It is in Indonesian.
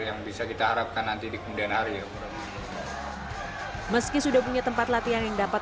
yang bisa kita harapkan nanti di kemudian hari meski sudah punya tempat latihan yang dapat